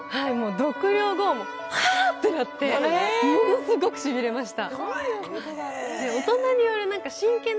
読了後、ハーってなってものすごくしびれました。